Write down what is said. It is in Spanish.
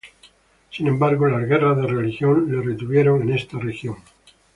Sin embargo, las guerras de religión le retuvieron en esta región.